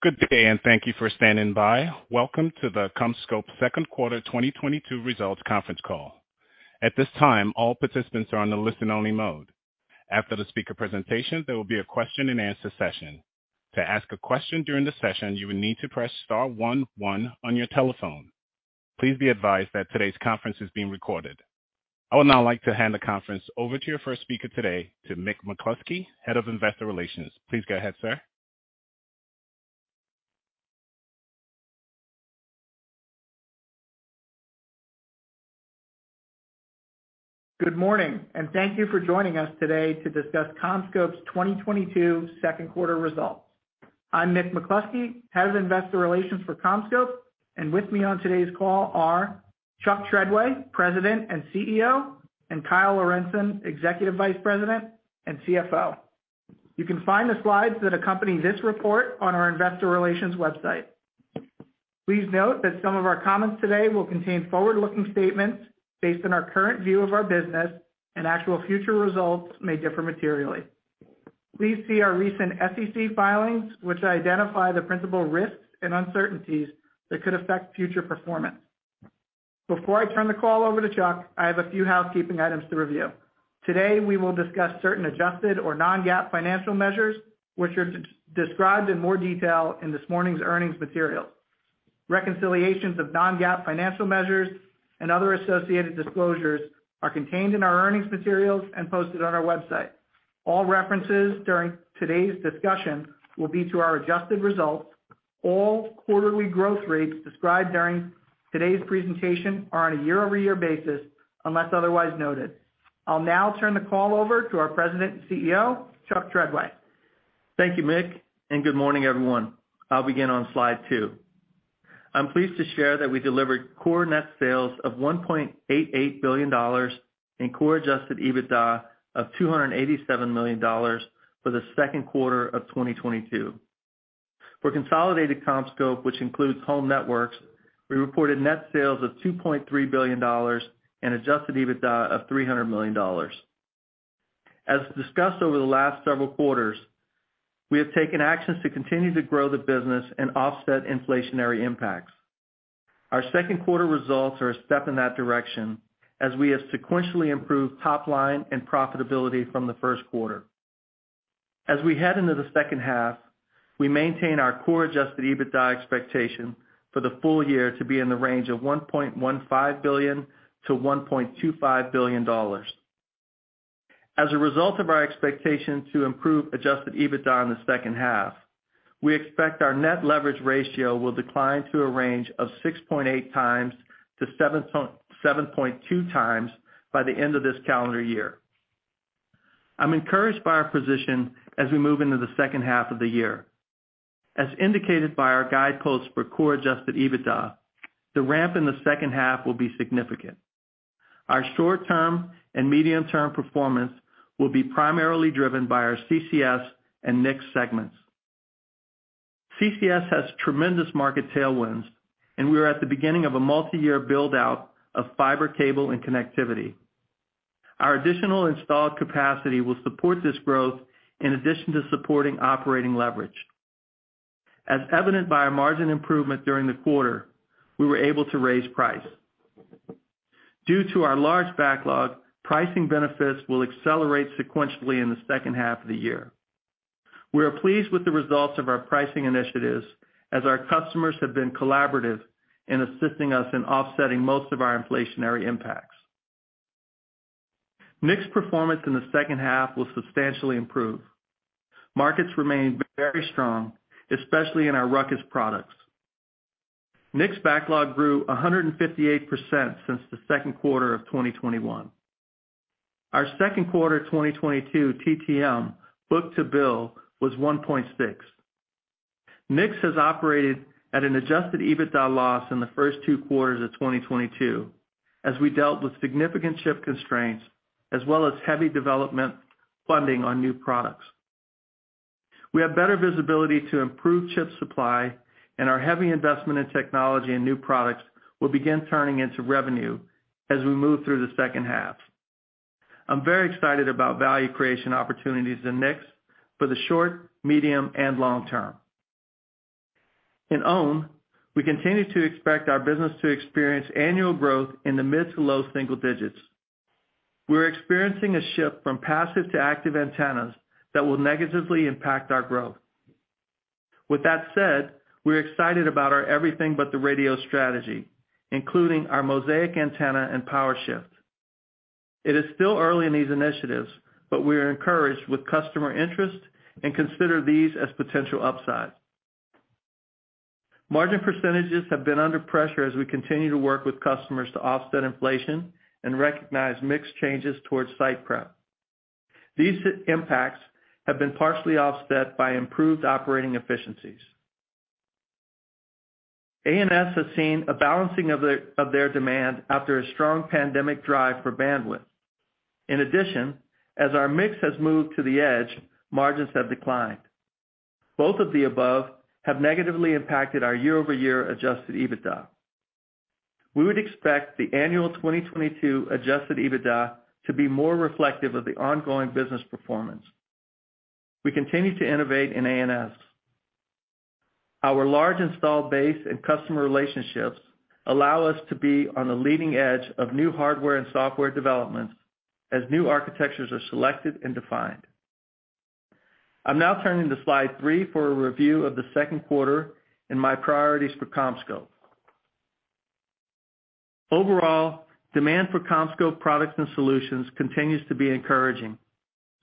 Good day and thank you for standing by. Welcome to the CommScope Q2 2022 Results Conference Call. At this time, all participants are on the listen-only mode. After the speaker presentation, there will be a question-and-answer session. To ask a question during the session, you will need to press star one one on your telephone. Please be advised that today's conference is being recorded. I would now like to hand the conference over to your first speaker today, to Michael McCloskey, Head of Investor Relations. Please go ahead, sir. Good morning and thank you for joining us today to discuss CommScope's 2022 Q2 Results. I'm Michael McCloskey, Head of Investor Relations for CommScope, and with me on today's call are Chuck Treadway, President and CEO, and Kyle Lorentzen, Executive Vice President and CFO. You can find the slides that accompany this report on our investor relations website. Please note that some of our comments today will contain forward-looking statements based on our current view of our business and actual future results may differ materially. Please see our recent SEC filings which identify the principal risks and uncertainties that could affect future performance. Before I turn the call over to Chuck, I have a few housekeeping items to review. Today we will discuss certain adjusted or non-GAAP financial measures which are described in more detail in this morning's earnings material. Reconciliations of non-GAAP financial measures and other associated disclosures are contained in our earnings materials and posted on our website. All references during today's discussion will be to our adjusted results. All quarterly growth rates described during today's presentation are on a year-over-year basis unless otherwise noted. I'll now turn the call over to our President and CEO, Chuck Treadway. Thank you, Mick, and good morning, everyone. I'll begin on slide two. I'm pleased to share that we delivered core net sales of $1.88 billion and core adjusted EBITDA of $287 million for the Q2 of 2022. For consolidated CommScope, which includes Home Networks, we reported net sales of $2.3 billion and adjusted EBITDA of $300 million. As discussed over the last several quarters, we have taken actions to continue to grow the business and offset inflationary impacts. Our Q2 results are a step in that direction as we have sequentially improved top line and profitability from the Q1. As we head into the H2, we maintain our core adjusted EBITDA expectation for the full year to be in the range of $1.15 billion-$1.25 billion. As a result of our expectation to improve adjusted EBITDA in the H2, we expect our net leverage ratio will decline to a range of 6.8x-7.2x by the end of this calendar year. I'm encouraged by our position as we move into the H2 of the year. As indicated by our guideposts for core adjusted EBITDA, the ramp in the H2 will be significant. Our short-term and medium-term performance will be primarily driven by our CCS and NICS segments. CCS has tremendous market tailwinds, and we are at the beginning of a multi-year build-out of fiber cable and connectivity. Our additional installed capacity will support this growth in addition to supporting operating leverage. As evident by our margin improvement during the quarter, we were able to raise price. Due to our large backlog, pricing benefits will accelerate sequentially in the H2 of the year. We are pleased with the results of our pricing initiatives as our customers have been collaborative in assisting us in offsetting most of our inflationary impacts. NICS performance in the H2 will substantially improve. Markets remain very strong, especially in our RUCKUS products. NICS backlog grew 158% since the Q2 of 2021. Our Q2 2022 TTM book-to-bill was 1.6. NICS has operated at an adjusted EBITDA loss in the first two quarters of 2022 as we dealt with significant chip constraints as well as heavy development funding on new products. We have better visibility to improve chip supply and our heavy investment in technology and new products will begin turning into revenue as we move through the H2. I'm very excited about value creation opportunities in NICS for the short, medium, and long term. In OWN, we continue to expect our business to experience annual growth in the mid- to low-single digits. We're experiencing a shift from passive to active antennas that will negatively impact our growth. With that said, we're excited about our everything but the radio strategy, including our Mosaic antenna and PowerShift. It is still early in these initiatives, but we are encouraged with customer interest and consider these as potential upside. Margin percentages have been under pressure as we continue to work with customers to offset inflation and recognize mix changes towards site prep. These impacts have been partially offset by improved operating efficiencies. ANS has seen a balancing of their demand after a strong pandemic drive for bandwidth. In addition, as our mix has moved to the edge, margins have declined. Both of the above have negatively impacted our year-over-year adjusted EBITDA. We would expect the annual 2022 adjusted EBITDA to be more reflective of the ongoing business performance. We continue to innovate in ANS. Our large installed base and customer relationships allow us to be on the leading edge of new hardware and software developments as new architectures are selected and defined. I'm now turning to slide three for a review of the Q2 and my priorities for CommScope. Overall, demand for CommScope products and solutions continues to be encouraging,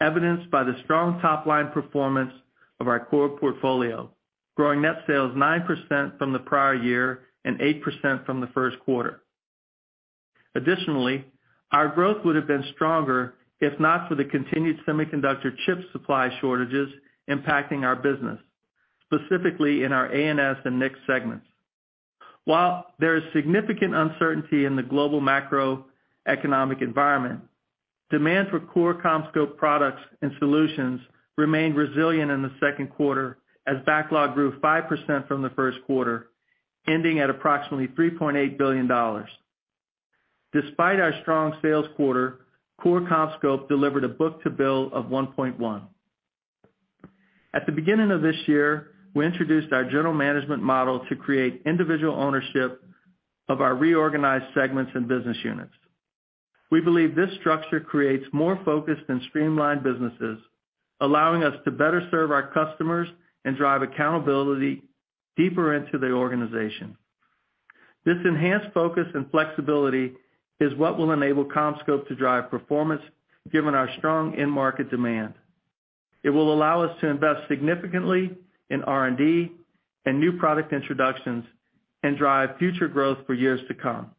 evidenced by the strong top-line performance of our core portfolio, growing net sales 9% from the prior year and 8% from the Q1. Additionally, our growth would have been stronger if not for the continued semiconductor chip supply shortages impacting our business, specifically in our ANS and NICS segments. While there is significant uncertainty in the global macroeconomic environment, demand for core CommScope products and solutions remained resilient in the Q2 as backlog grew 5% from the Q1, ending at approximately $3.8 billion. Despite our strong sales quarter, core CommScope delivered a book-to-bill of 1.1. At the beginning of this year, we introduced our general management model to create individual ownership of our reorganized segments and business units. We believe this structure creates more focused and streamlined businesses, allowing us to better serve our customers and drive accountability deeper into the organization. This enhanced focus and flexibility is what will enable CommScope to drive performance, given our strong end market demand. It will allow us to invest significantly in R&D and new product introductions and drive future growth for years to come.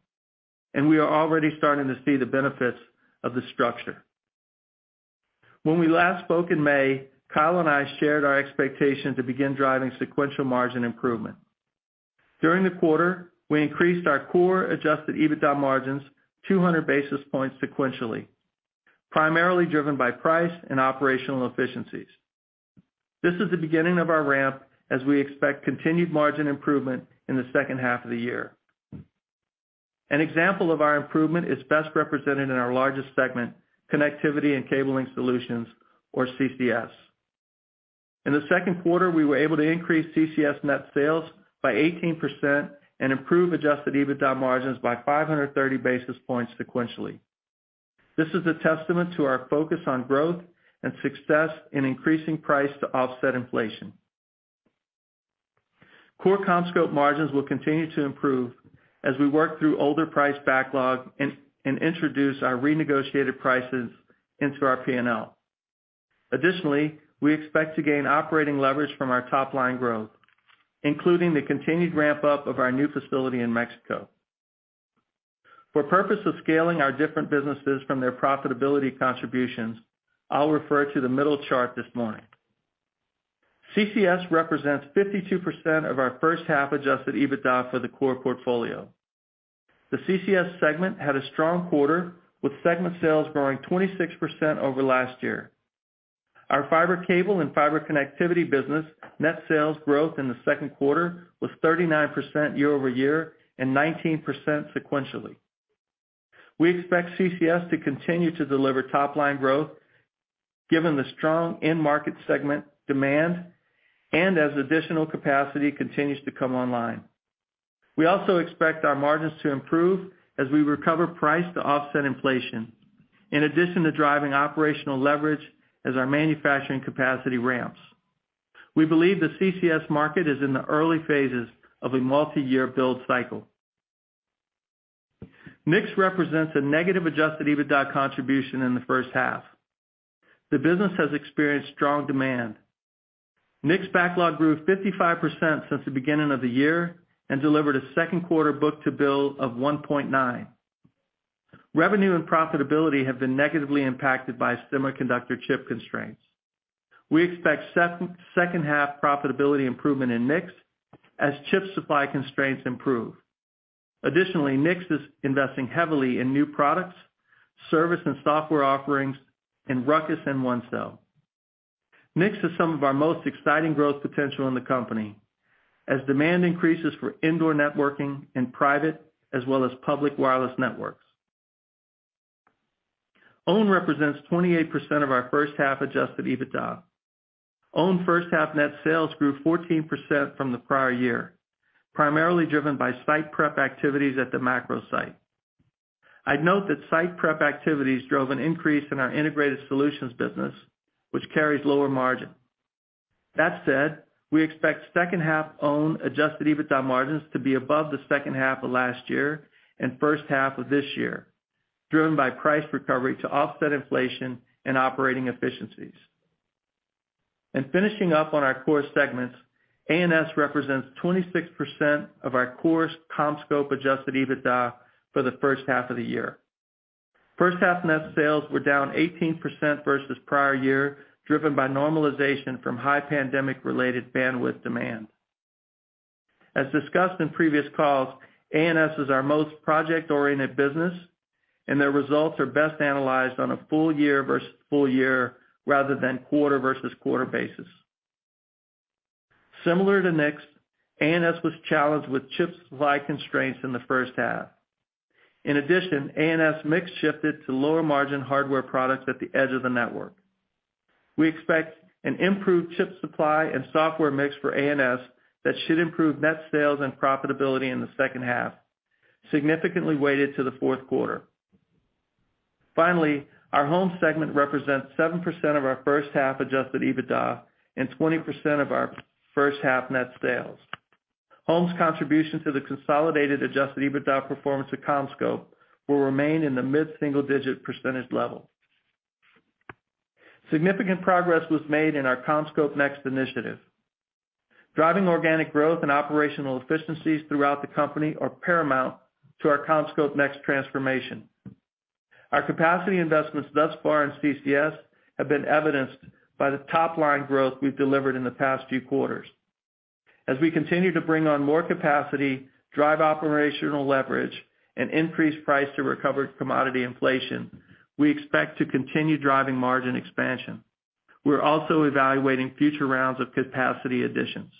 We are already starting to see the benefits of this structure. When we last spoke in May, Kyle and I shared our expectation to begin driving sequential margin improvement. During the quarter, we increased our core adjusted EBITDA margins 200 basis points sequentially, primarily driven by price and operational efficiencies. This is the beginning of our ramp as we expect continued margin improvement in the H2 of the year. An example of our improvement is best represented in our largest segment, Connectivity and Cable Solutions, or CCS. In the Q2, we were able to increase CCS net sales by 18% and improve adjusted EBITDA margins by 530 basis points sequentially. This is a testament to our focus on growth and success in increasing price to offset inflation. Core CommScope margins will continue to improve as we work through older price backlog and introduce our renegotiated prices into our P&L. Additionally, we expect to gain operating leverage from our top-line growth, including the continued ramp-up of our new facility in Mexico. For purpose of scaling our different businesses from their profitability contributions, I'll refer to the middle chart this morning. CCS represents 52% of our H1 adjusted EBITDA for the core portfolio. The CCS segment had a strong quarter, with segment sales growing 26% over last year. Our fiber cable and fiber connectivity business net sales growth in the Q2 was 39% year-over-year and 19% sequentially. We expect CCS to continue to deliver top-line growth given the strong end market segment demand and as additional capacity continues to come online. We also expect our margins to improve as we recover price to offset inflation, in addition to driving operational leverage as our manufacturing capacity ramps. We believe the CCS market is in the early phases of a multiyear build cycle. NICS represents a negative adjusted EBITDA contribution in the H1. The business has experienced strong demand. NICS backlog grew 55% since the beginning of the year and delivered a Q2 book-to-bill of 1.9. Revenue and profitability have been negatively impacted by semiconductor chip constraints. We expect H2 profitability improvement in NICS as chip supply constraints improve. Additionally, NICS is investing heavily in new products, service and software offerings in RUCKUS and OneCell. NICS is some of our most exciting growth potential in the company as demand increases for indoor networking in private as well as public wireless networks. OWN represents 28% of our H1 adjusted EBITDA. OWN H1 net sales grew 14% from the prior year, primarily driven by site prep activities at the macro site. I'd note that site prep activities drove an increase in our integrated solutions business, which carries lower margin. That said, we expect H2 OWN adjusted EBITDA margins to be above the H2 of last year and H1 of this year, driven by price recovery to offset inflation and operating efficiencies. Finishing up on our core segments, ANS represents 26% of our core CommScope adjusted EBITDA for the H1 of the year. H1 net sales were down 18% versus prior year, driven by normalization from high pandemic-related bandwidth demand. As discussed in previous calls, ANS is our most project-oriented business, and their results are best analyzed on a full year versus full year rather than quarter versus quarter basis. Similar to NICS, ANS was challenged with chip supply constraints in the H1. In addition, ANS mix shifted to lower margin hardware products at the edge of the network. We expect an improved chip supply and software mix for ANS that should improve net sales and profitability in the H2, significantly weighted to the Q4. Finally, our home segment represents 7% of our H1 adjusted EBITDA and 20% of our H1 net sales. Home's contribution to the consolidated adjusted EBITDA performance at CommScope will remain in the mid single-digit % level. Significant progress was made in our CommScope NEXT initiative. Driving organic growth and operational efficiencies throughout the company are paramount to our CommScope NEXT transformation. Our capacity investments thus far in CCS have been evidenced by the top-line growth we've delivered in the past few quarters. As we continue to bring on more capacity, drive operational leverage, and increase price to recover commodity inflation, we expect to continue driving margin expansion. We're also evaluating future rounds of capacity additions.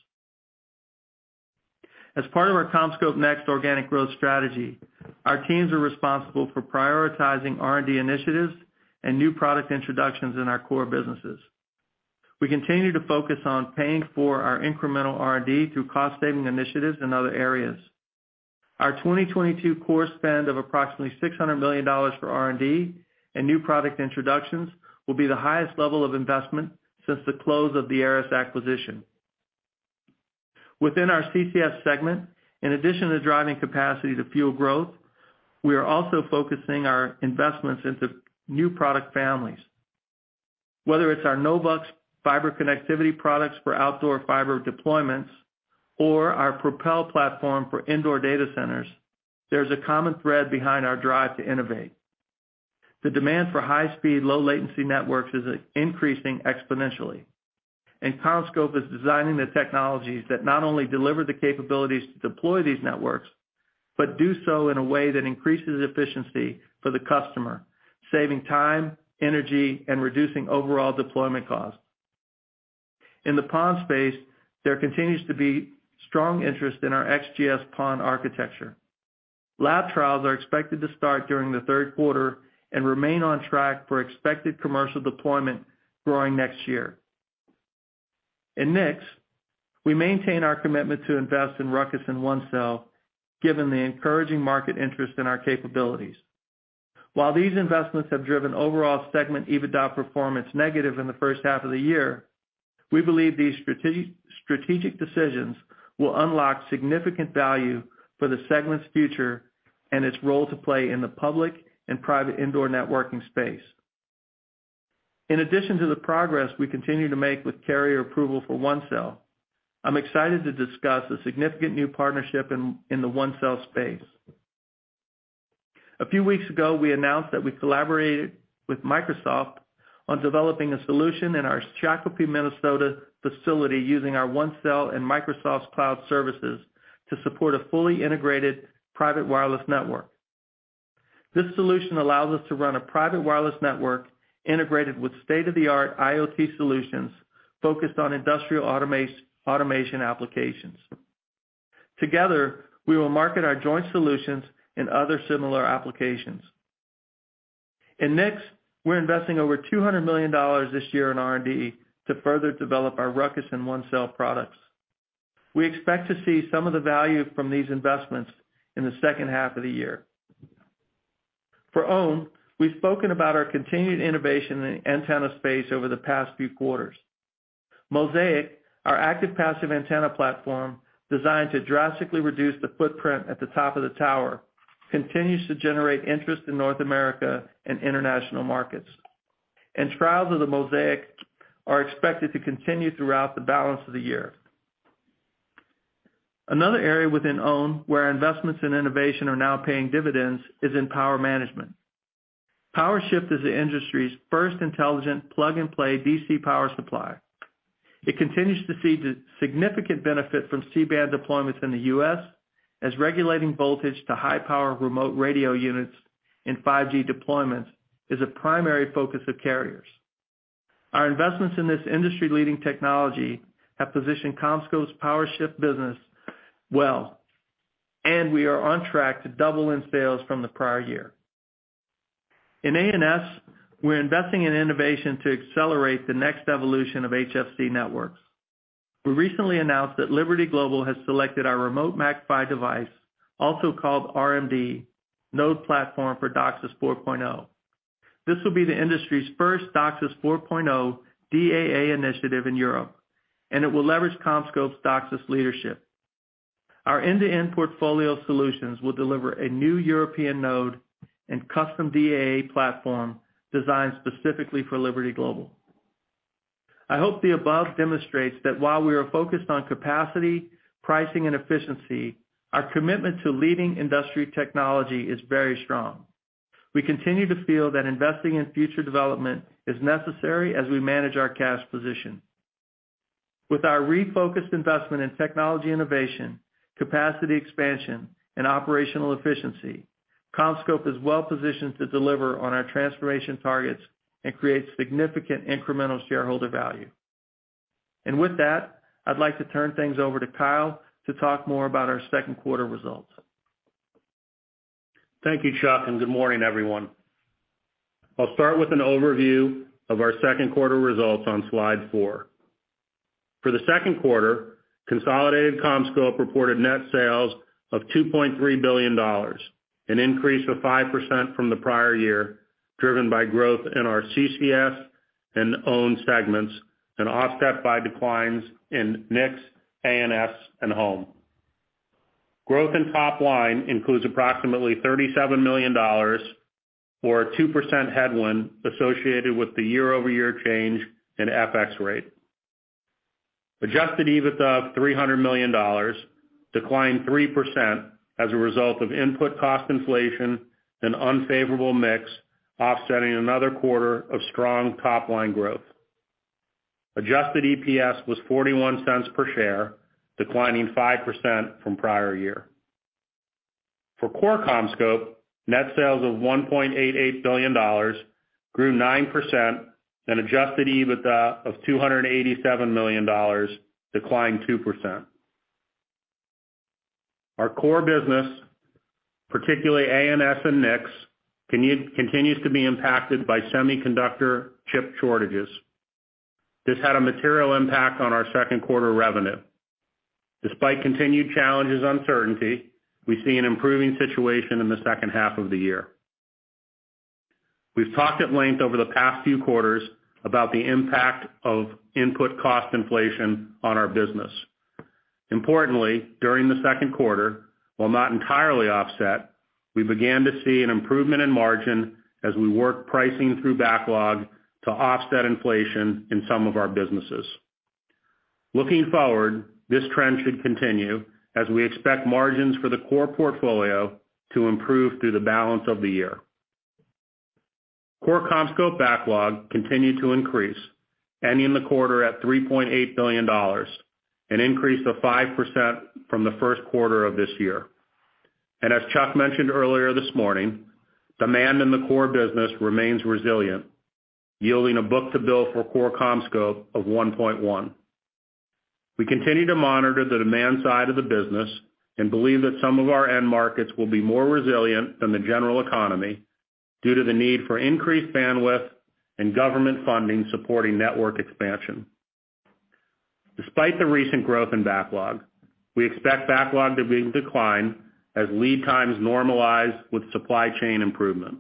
As part of our CommScope NEXT organic growth strategy, our teams are responsible for prioritizing R&D initiatives and new product introductions in our core businesses. We continue to focus on paying for our incremental R&D through cost-saving initiatives in other areas. Our 2022 core spend of approximately $600 million for R&D and new product introductions will be the highest level of investment since the close of the ARRIS acquisition. Within our CCS segment, in addition to driving capacity to fuel growth, we are also focusing our investments into new product families. Whether it's our NOVUX fiber connectivity products for outdoor fiber deployments or our Propel platform for indoor data centers, there's a common thread behind our drive to innovate. The demand for high-speed, low-latency networks is increasing exponentially, and CommScope is designing the technologies that not only deliver the capabilities to deploy these networks, but do so in a way that increases efficiency for the customer, saving time, energy, and reducing overall deployment costs. In the PON space, there continues to be strong interest in our XGS-PON architecture. Lab trials are expected to start during the Q3 and remain on track for expected commercial deployment growing next year. In NICS, we maintain our commitment to invest in RUCKUS and OneCell, given the encouraging market interest in our capabilities. While these investments have driven overall segment EBITDA performance negative in the H1 of the year, we believe these strategic decisions will unlock significant value for the segment's future and its role to play in the public and private indoor networking space. In addition to the progress we continue to make with carrier approval for OneCell, I'm excited to discuss a significant new partnership in the OneCell space. A few weeks ago, we announced that we collaborated with Microsoft on developing a solution in our Shakopee, Minnesota facility using our OneCell and Microsoft's cloud services to support a fully integrated private wireless network. This solution allows us to run a private wireless network integrated with state-of-the-art IoT solutions focused on industrial automation applications. Together, we will market our joint solutions in other similar applications. In NICS, we're investing over $200 million this year in R&D to further develop our RUCKUS and OneCell products. We expect to see some of the value from these investments in the H2 of the year. For OWN, we've spoken about our continued innovation in the antenna space over the past few quarters. Mosaic, our active passive antenna platform designed to drastically reduce the footprint at the top of the tower, continues to generate interest in North America and international markets. Trials of the Mosaic are expected to continue throughout the balance of the year. Another area within OWN where our investments in innovation are now paying dividends is in power management. PowerShift is the industry's first intelligent plug-and-play DC power supply. It continues to see the significant benefit from C-band deployments in the US as regulating voltage to high-power remote radio units in 5G deployments is a primary focus of carriers. Our investments in this industry-leading technology have positioned CommScope's PowerShift business well, and we are on track to double in sales from the prior year. In ANS, we're investing in innovation to accelerate the next evolution of HFC networks. We recently announced that Liberty Global has selected our Remote MACPHY device, also called RMD, node platform for DOCSIS 4.0. This will be the industry's first DOCSIS 4.0 DAA initiative in Europe, and it will leverage CommScope's DOCSIS leadership. Our end-to-end portfolio solutions will deliver a new European node and custom DAA platform designed specifically for Liberty Global. I hope the above demonstrates that while we are focused on capacity, pricing, and efficiency, our commitment to leading industry technology is very strong. We continue to feel that investing in future development is necessary as we manage our cash position. With our refocused investment in technology innovation, capacity expansion, and operational efficiency, CommScope is well positioned to deliver on our transformation targets and create significant incremental shareholder value. With that, I'd like to turn things over to Kyle to talk more about our Q2 results. Thank you, Chuck, and good morning, everyone. I'll start with an overview of our Q2 results on slide four. For the Q2, consolidated CommScope reported net sales of $2.3 billion, an increase of 5% from the prior year, driven by growth in our CCS and OWN segments and offset by declines in NICS, ANS, and Home. Growth in top line includes approximately $37 million, or a 2% headwind associated with the year-over-year change in FX rate. Adjusted EBITDA of $300 million declined 3% as a result of input cost inflation and unfavorable mix, offsetting another quarter of strong top-line growth. Adjusted EPS was $0.41 per share, declining 5% from prior year. For core CommScope, net sales of $1.88 billion grew 9% and adjusted EBITDA of $287 million declined 2%. Our core business, particularly ANS and NICS, continues to be impacted by semiconductor chip shortages. This had a material impact on our Q2 revenue. Despite continued challenges uncertainty, we see an improving situation in the H2 of the year. We've talked at length over the past few quarters about the impact of input cost inflation on our business. Importantly, during the Q2, while not entirely offset, we began to see an improvement in margin as we worked pricing through backlog to offset inflation in some of our businesses. Looking forward, this trend should continue as we expect margins for the core portfolio to improve through the balance of the year. Core CommScope backlog continued to increase, ending the quarter at $3.8 billion, an increase of 5% from the Q1 of this year. As Chuck mentioned earlier this morning, demand in the core business remains resilient, yielding a book to bill for core CommScope of 1.1. We continue to monitor the demand side of the business and believe that some of our end markets will be more resilient than the general economy due to the need for increased bandwidth and government funding supporting network expansion. Despite the recent growth in backlog, we expect backlog to begin to decline as lead times normalize with supply chain improvement.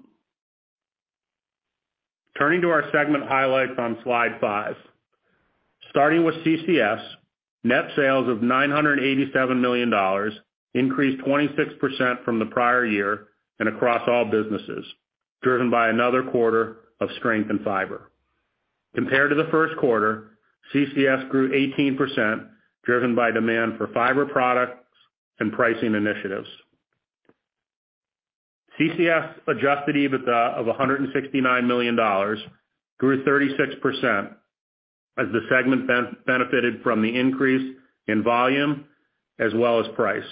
Turning to our segment highlights on slide five. Starting with CCS, net sales of $987 million increased 26% from the prior year and across all businesses, driven by another quarter of strength in fiber. Compared to the Q1, CCS grew 18%, driven by demand for fiber products and pricing initiatives. CCS adjusted EBITDA of $169 million grew 36% as the segment benefited from the increase in volume as well as price.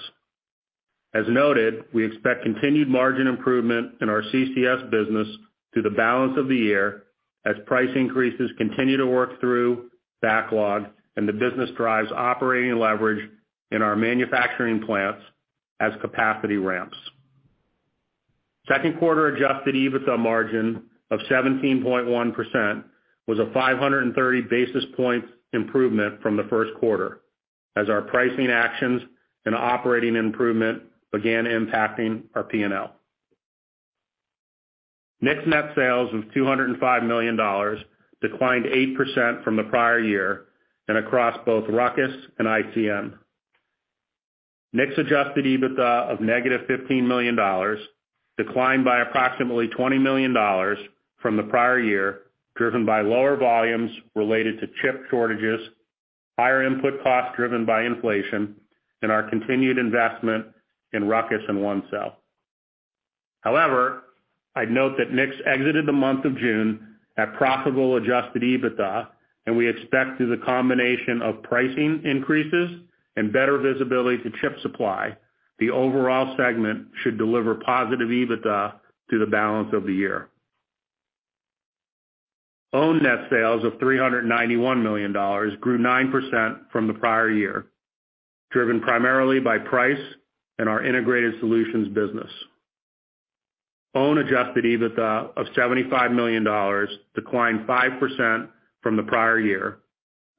As noted, we expect continued margin improvement in our CCS business through the balance of the year as price increases continue to work through backlog and the business drives operating leverage in our manufacturing plants as capacity ramps. Q2 adjusted EBITDA margin of 17.1% was a 530 basis points improvement from the Q1 as our pricing actions and operating improvement began impacting our P&L. NICS net sales of $205 million declined 8% from the prior year and across both RUCKUS and ICX. NICS adjusted EBITDA of -$15 million declined by approximately $20 million from the prior year, driven by lower volumes related to chip shortages, higher input costs driven by inflation, and our continued investment in RUCKUS and One Cell. However, I'd note that NICS exited the month of June at profitable adjusted EBITDA, and we expect through the combination of pricing increases and better visibility to chip supply, the overall segment should deliver positive EBITDA through the balance of the year. OWN net sales of $391 million grew 9% from the prior year, driven primarily by price and our integrated solutions business. OWN adjusted EBITDA of $75 million declined 5% from the prior year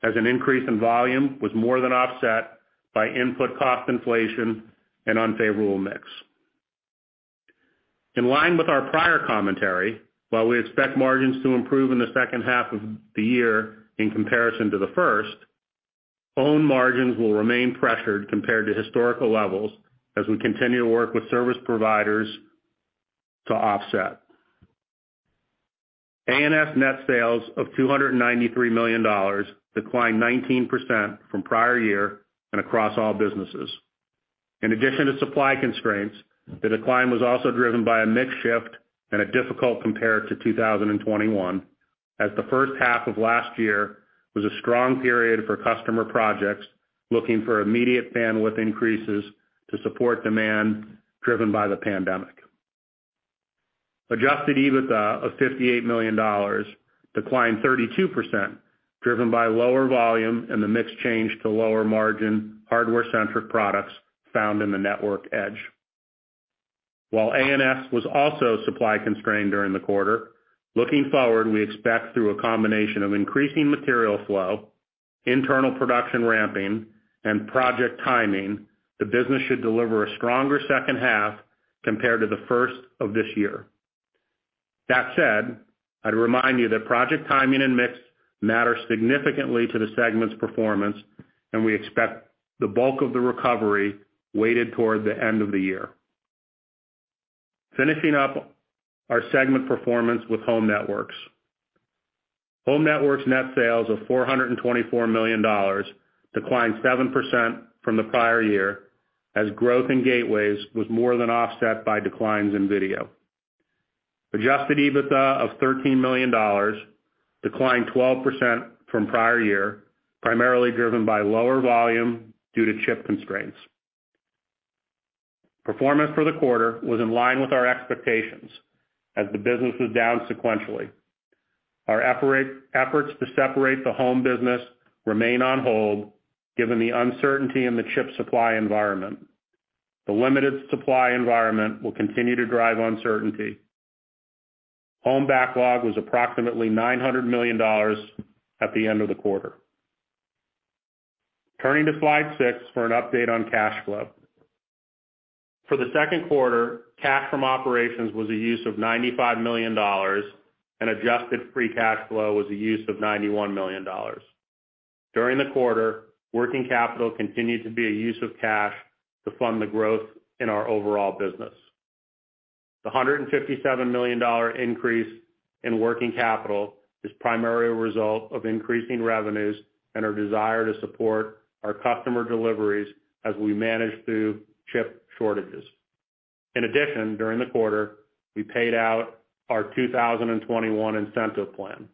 as an increase in volume was more than offset by input cost inflation and unfavorable mix. In line with our prior commentary, while we expect margins to improve in the H2 of the year in comparison to the first, OWN margins will remain pressured compared to historical levels as we continue to work with service providers to offset. ANS net sales of $293 million declined 19% from prior year and across all businesses. In addition to supply constraints, the decline was also driven by a mix shift and a difficult compare to 2021. As the H1 of last year was a strong period for customer projects looking for immediate bandwidth increases to support demand driven by the pandemic. Adjusted EBITDA of $58 million declined 32%, driven by lower volume and the mix change to lower margin hardware-centric products found in the network edge. While A&S was also supply constrained during the quarter, looking forward, we expect through a combination of increasing material flow, internal production ramping, and project timing, the business should deliver a stronger H2 compared to the first of this year. That said, I'd remind you that project timing and mix matter significantly to the segment's performance, and we expect the bulk of the recovery weighted toward the end of the year. Finishing up our segment performance with Home Networks. Home Networks net sales of $424 million declined 7% from the prior year as growth in gateways was more than offset by declines in video. Adjusted EBITDA of $13 million declined 12% from prior year, primarily driven by lower volume due to chip constraints. Performance for the quarter was in line with our expectations as the business was down sequentially. Our efforts to separate the home business remain on hold given the uncertainty in the chip supply environment. The limited supply environment will continue to drive uncertainty. Home backlog was approximately $900 million at the end of the quarter. Turning to slide six for an update on cash flow. For the Q2, cash from operations was a use of $95 million and adjusted free cash flow was a use of $91 million. During the quarter, working capital continued to be a use of cash to fund the growth in our overall business. The $157 million increase in working capital is primarily a result of increasing revenues and our desire to support our customer deliveries as we manage through chip shortages. In addition, during the quarter, we paid out our 2021 incentive plan.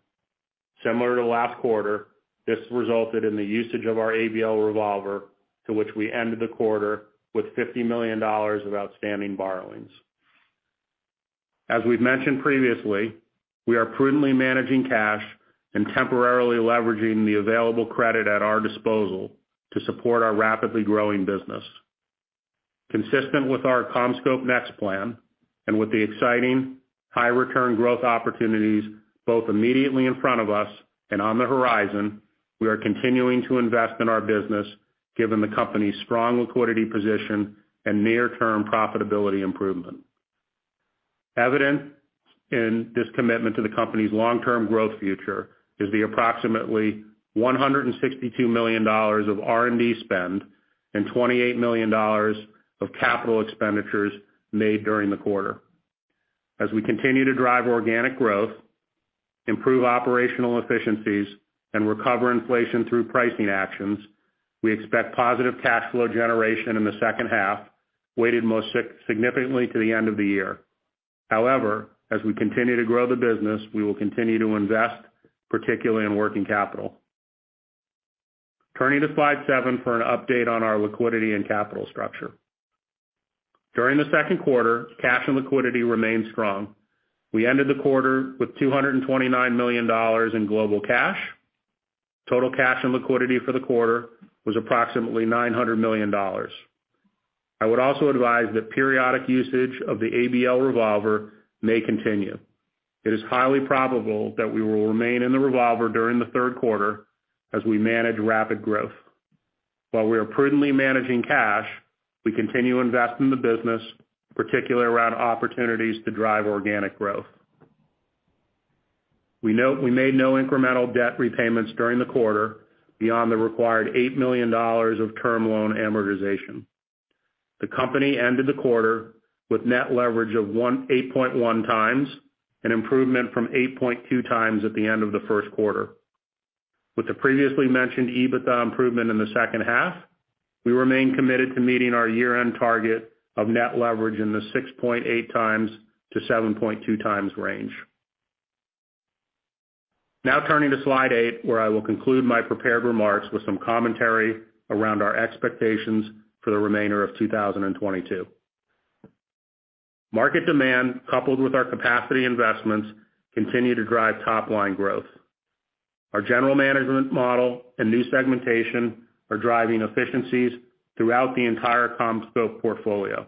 Similar to last quarter, this resulted in the usage of our ABL revolver, to which we ended the quarter with $50 million of outstanding borrowings. As we've mentioned previously, we are prudently managing cash and temporarily leveraging the available credit at our disposal to support our rapidly growing business. Consistent with our CommScope NEXT plan and with the exciting high return growth opportunities both immediately in front of us and on the horizon, we are continuing to invest in our business given the company's strong liquidity position and near-term profitability improvement. Evident in this commitment to the company's long-term growth future is the approximately $162 million of R&D spend and $28 million of capital expenditures made during the quarter. As we continue to drive organic growth, improve operational efficiencies, and recover inflation through pricing actions, we expect positive cash flow generation in the H2, weighted most significantly to the end of the year. However, as we continue to grow the business, we will continue to invest, particularly in working capital. Turning to slide seven for an update on our liquidity and capital structure. During the Q2, cash and liquidity remained strong. We ended the quarter with $229 million in global cash. Total cash and liquidity for the quarter was approximately $900 million. I would also advise that periodic usage of the ABL revolver may continue. It is highly probable that we will remain in the revolver during the Q3 as we manage rapid growth. While we are prudently managing cash, we continue to invest in the business, particularly around opportunities to drive organic growth. We note we made no incremental debt repayments during the quarter beyond the required $8 million of term loan amortization. The company ended the quarter with net leverage of 8.1x, an improvement from 8.2x at the end of the Q1. With the previously mentioned EBITDA improvement in the H2, we remain committed to meeting our year-end target of net leverage in the 6.8x-7.2x range. Now turning to Slide 8, where I will conclude my prepared remarks with some commentary around our expectations for the remainder of 2022. Market demand, coupled with our capacity investments, continue to drive top line growth. Our general management model and new segmentation are driving efficiencies throughout the entire CommScope portfolio.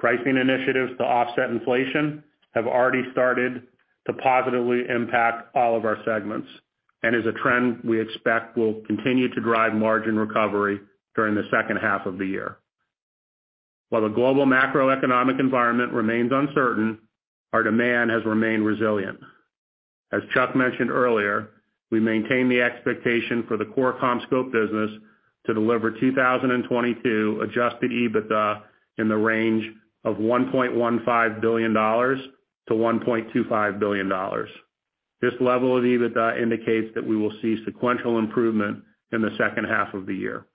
Pricing initiatives to offset inflation have already started to positively impact all of our segments and is a trend we expect will continue to drive margin recovery during the H2 of the year. While the global macroeconomic environment remains uncertain, our demand has remained resilient. As Chuck mentioned earlier, we maintain the expectation for the core CommScope business to deliver 2022 adjusted EBITDA in the range of $1.15 billion-$1.25 billion. This level of EBITDA indicates that we will see sequential improvement in the H2 of the year.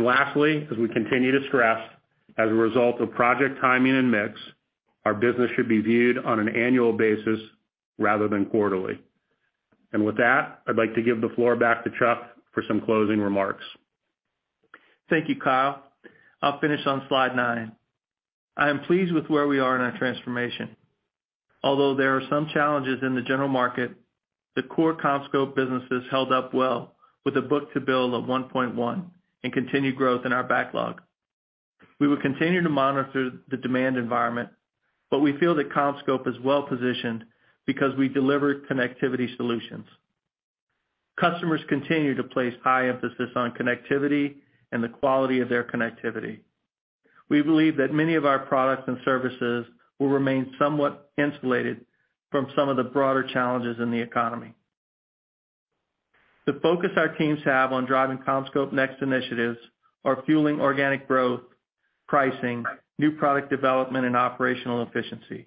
Lastly, as we continue to stress, as a result of project timing and mix, our business should be viewed on an annual basis rather than quarterly. With that, I'd like to give the floor back to Chuck for some closing remarks. Thank you, Kyle. I'll finish on slide nine. I am pleased with where we are in our transformation. Although there are some challenges in the general market, the core CommScope businesses held up well with a book-to-bill of 1.1 and continued growth in our backlog. We will continue to monitor the demand environment, but we feel that CommScope is well-positioned because we deliver connectivity solutions. Customers continue to place high emphasis on connectivity and the quality of their connectivity. We believe that many of our products and services will remain somewhat insulated from some of the broader challenges in the economy. The focus our teams have on driving CommScope NEXT initiatives are fueling organic growth, pricing, new product development, and operational efficiency.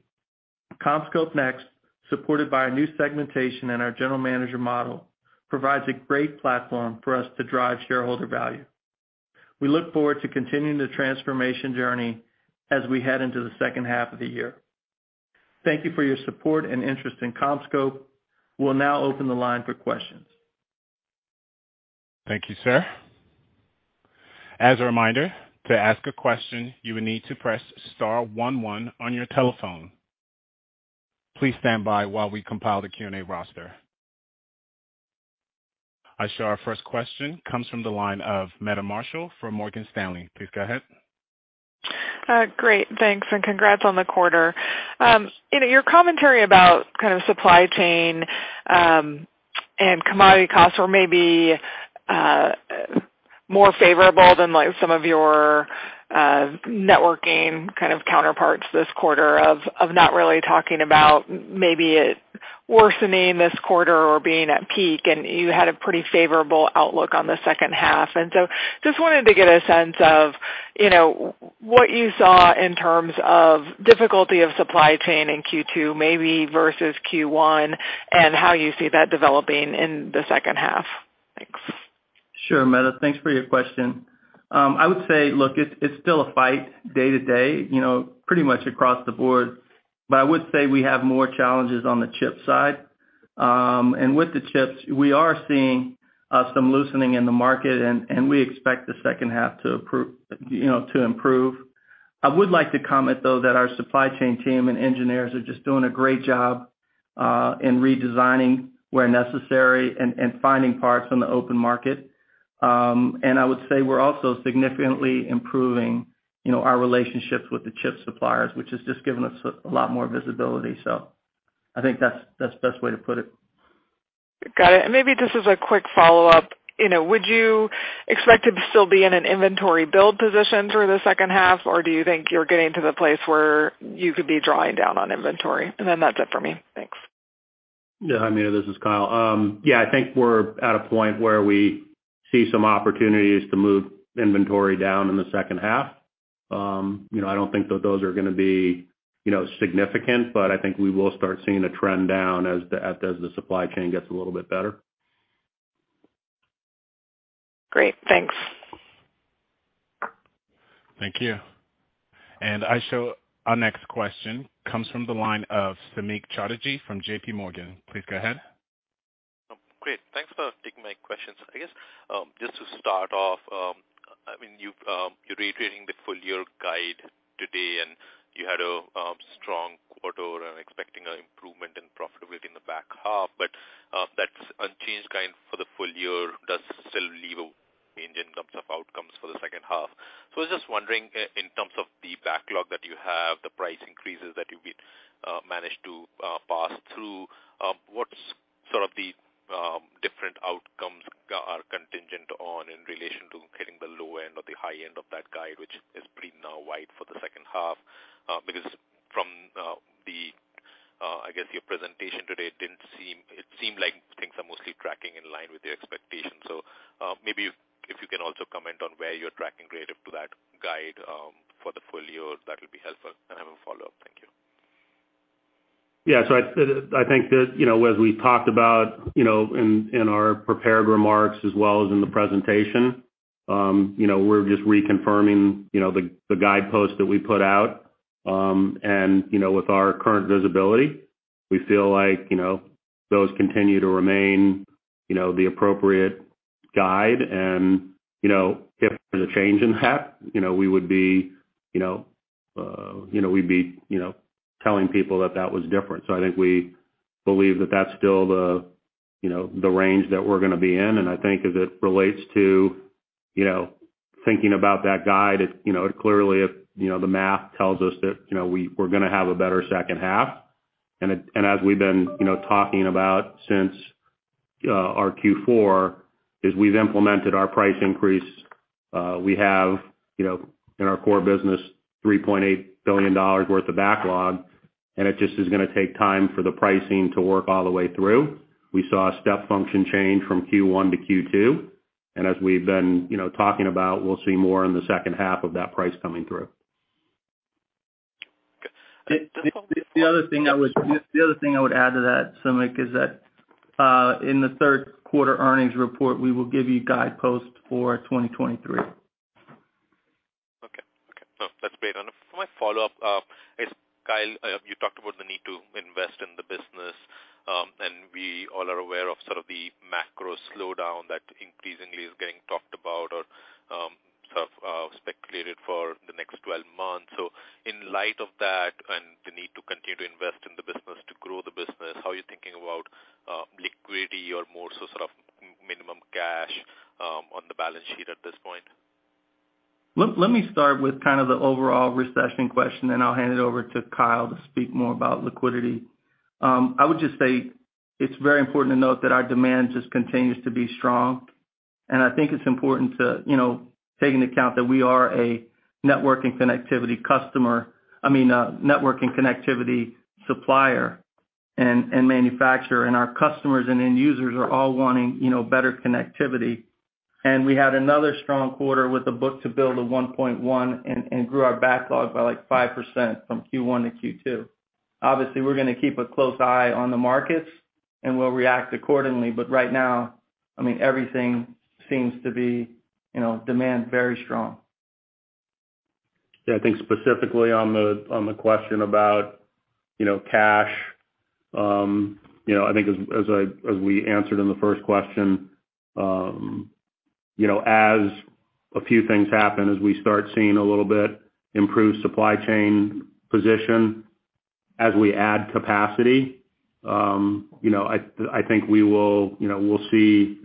CommScope NEXT, supported by a new segmentation in our general manager model, provides a great platform for us to drive shareholder value. We look forward to continuing the transformation journey as we head into the H2 of the year. Thank you for your support and interest in CommScope. We'll now open the line for questions. Thank you, sir. As a reminder, to ask a question, you will need to press star one one on your telephone. Please stand by while we compile the Q&A roster. I show our first question comes from the line of Meta Marshall from Morgan Stanley. Please go ahead. Great, thanks, and congrats on the quarter. You know, your commentary about kind of supply chain and commodity costs were maybe more favorable than like some of your networking kind of counterparts this quarter on not really talking about maybe it worsening this quarter or being at peak, and you had a pretty favorable outlook on the H2. Just wanted to get a sense of, you know, what you saw in terms of difficulty of supply chain in Q2 maybe versus Q1, and how you see that developing in the H2. Thanks. Sure, Meta. Thanks for your question. I would say, look, it's still a fight day to day, you know, pretty much across the board, but I would say we have more challenges on the chip side. With the chips, we are seeing some loosening in the market and we expect the H2 to improve, you know. I would like to comment, though, that our supply chain team and engineers are just doing a great job in redesigning where necessary and finding parts on the open market. I would say we're also significantly improving, you know, our relationships with the chip suppliers, which has just given us a lot more visibility. So I think that's the best way to put it. Got it. Maybe just as a quick follow-up, you know, would you expect to still be in an inventory build position through the H2, or do you think you're getting to the place where you could be drawing down on inventory? That's it for me. Thanks. Yeah. Hi, Meta, this is Kyle. Yeah, I think we're at a point where we see some opportunities to move inventory down in the H2. You know, I don't think that those are gonna be, you know, significant, but I think we will start seeing a trend down as the supply chain gets a little bit better. Great. Thanks. Thank you. I show our next question comes from the line of Samik Chatterjee from JPMorgan. Please go ahead. Great. Thanks for taking my questions. I guess, just to start off, I mean, you've, you're reiterating the full year guide today, and you had a strong quarter and expecting an improvement in profitability in the back half. That's unchanged guide for the full year does still leave a range in terms of outcomes for the H2. I was just wondering in terms of the backlog that you have, the price increases that you've managed to pass through, what's sort of the different outcomes are contingent on in relation to hitting the low end or the high end of that guide, which is pretty wide now for the H2? Because from the, I guess, your presentation today, it seemed like things are mostly tracking in line with your expectations. Maybe if you can also comment on where you're tracking relative to that guide for the full year, that'll be helpful. I have a follow-up. Thank you. Yeah. I think that, you know, as we talked about, you know, in our prepared remarks as well as in the presentation, you know, we're just reconfirming, you know, the guideposts that we put out. With our current visibility, we feel like, you know, those continue to remain, you know, the appropriate guide. If there's a change in that, you know, we would be, you know, we'd be, you know, telling people that that was different. I think we believe that that's still the, you know, the range that we're gonna be in. I think as it relates to, you know, thinking about that guide, it, you know, it clearly, you know, the math tells us that, you know, we're gonna have a better H2. As we've been, you know, talking about since our Q4, we've implemented our price increase. We have, you know, in our core business, $3.8 billion worth of backlog, and it just is gonna take time for the pricing to work all the way through. We saw a step function change from Q1 to Q2, and as we've been, you know, talking about, we'll see more in the H2 of that price coming through. The other thing I would add to that, Samik, is that in the Q3 earnings report, we will give you guidance for 2023. Okay. No, that's great. For my follow-up, Kyle, you talked about the need to invest in the business, and we all are aware of sort of the macro slowdown that increasingly is getting talked about or, sort of, speculated for the next 12 months. In light of that, and the need to continue to invest in the business to grow the business, how are you thinking about liquidity or more so sort of minimum cash on the balance sheet at this point? Let me start with kind of the overall recession question, and I'll hand it over to Kyle to speak more about liquidity. I would just say it's very important to note that our demand just continues to be strong. I think it's important to, you know, take into account that we are a networking connectivity customer, I mean, a networking connectivity supplier and manufacturer, and our customers and end users are all wanting, you know, better connectivity. We had another strong quarter with a book-to-bill of 1.1 and grew our backlog by like 5% from Q1 to Q2. Obviously, we're gonna keep a close eye on the markets, and we'll react accordingly. But right now, I mean, everything seems to be, you know, demand very strong. Yeah, I think specifically on the question about, you know, cash, you know, I think as we answered in the first question, you know, as a few things happen, as we start seeing a little bit improved supply chain position, as we add capacity, you know, I think we will, you know, we'll see,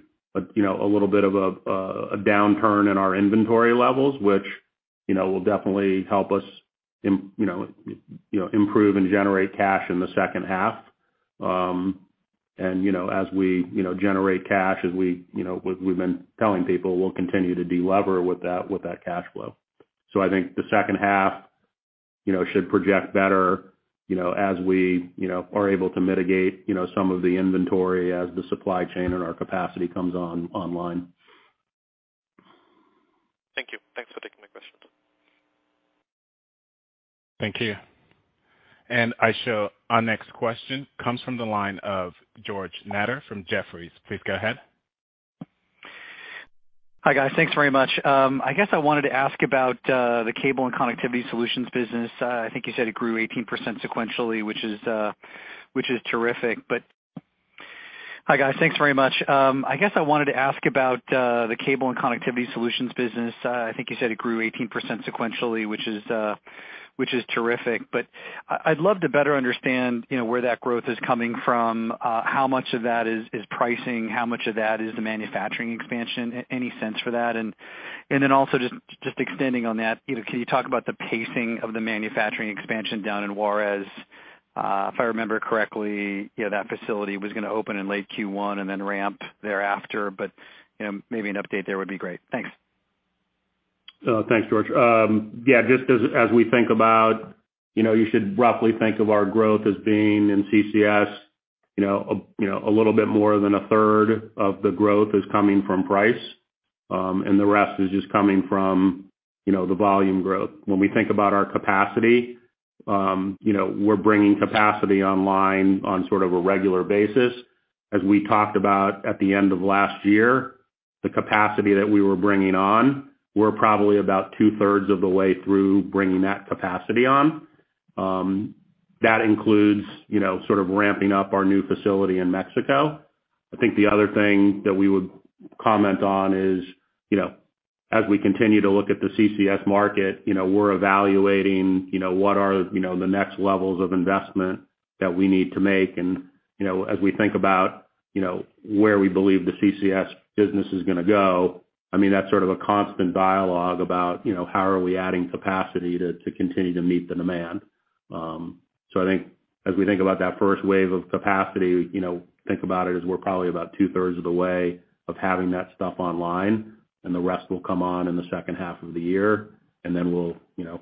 you know, a little bit of a downturn in our inventory levels, which, you know, will definitely help us improve and generate cash in the H2. You know, as we generate cash, as we, you know, we've been telling people, we'll continue to delever with that cash flow. I think the H2, you know, should project better, you know, as we, you know, are able to mitigate, you know, some of the inventory as the supply chain and our capacity comes online. Thank you. Thanks for taking my questions. Thank you. I show our next question comes from the line of George Notter from Jefferies. Please go ahead. Hi, guys. Thanks very much. I guess I wanted to ask about the Connectivity and Cable Solutions business. I think you said it grew 18% sequentially, which is terrific. I'd love to better understand, you know, where that growth is coming from, how much of that is pricing, how much of that is the manufacturing expansion. Any sense for that? Then also just extending on that, you know, can you talk about the pacing of the manufacturing expansion down in Juárez? If I remember correctly, you know, that facility was gonna open in late Q1 and then ramp thereafter. You know, maybe an update there would be great. Thanks. Thanks, George. Yeah, just as we think about, you know, you should roughly think of our growth as being in CCS, you know, a little bit more than a third of the growth is coming from price, and the rest is just coming from, you know, the volume growth. When we think about our capacity, you know, we're bringing capacity online on sort of a regular basis. As we talked about at the end of last year, the capacity that we were bringing on, we're probably about two-thirds of the way through bringing that capacity on. That includes, you know, sort of ramping up our new facility in Mexico. I think the other thing that we would comment on is, you know, as we continue to look at the CCS market, you know, we're evaluating, you know, what are, you know, the next levels of investment that we need to make. You know, as we think about, you know, where we believe the CCS business is gonna go, I mean, that's sort of a constant dialogue about, you know, how are we adding capacity to continue to meet the demand. I think as we think about that first wave of capacity, you know, think about it as we're probably about two-thirds of the way of having that stuff online, and the rest will come on in the H2 of the year. Then we'll, you know,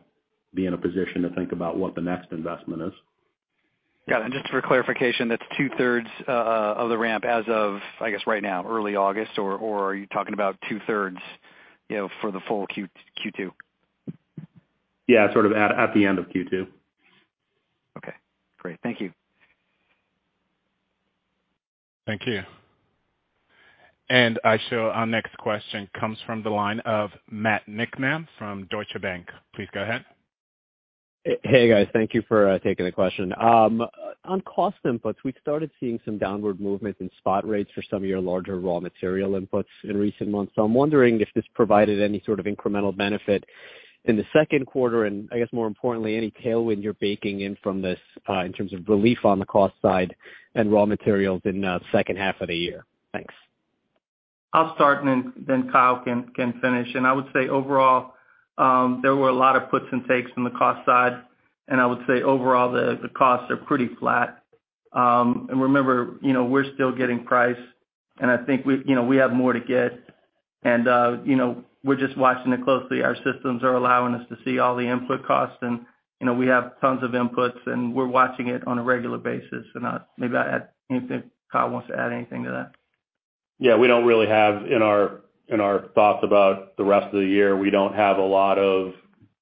be in a position to think about what the next investment is. Got it. Just for clarification, that's two-thirds of the ramp as of, I guess right now, early August, or are you talking about two-thirds, you know, for the full Q2? Yeah, sort of at the end of Q2. Okay, great. Thank you. Thank you. I show our next question comes from the line of Matt Niknam from Deutsche Bank. Please go ahead. Hey, guys. Thank you for taking the question. On cost inputs, we started seeing some downward movement in spot rates for some of your larger raw material inputs in recent months. I'm wondering if this provided any sort of incremental benefit in the Q2, and I guess more importantly, any tailwind you're baking in from this, in terms of relief on the cost side and raw materials in H2 of the year. Thanks. I'll start and then Kyle can finish. I would say overall there were a lot of puts and takes on the cost side, and I would say overall the costs are pretty flat. Remember, you know, we're still getting price, and I think you know we have more to get. You know, we're just watching it closely. Our systems are allowing us to see all the input costs, and you know we have tons of inputs, and we're watching it on a regular basis. Maybe Kyle wants to add anything to that? Yeah, we don't really have in our thoughts about the rest of the year, we don't have a lot of,